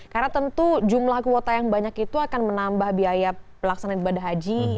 karena tentu jumlah kuota yang banyak itu akan menambah biaya pelaksanaan ibadah haji